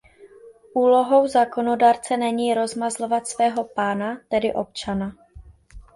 Úlohou zákonodárce není rozmazlovat svého pána, tedy občana.